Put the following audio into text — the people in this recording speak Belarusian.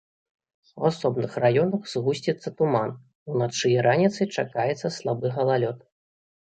У асобных раёнах згусціцца туман, уначы і раніцай чакаецца слабы галалёд.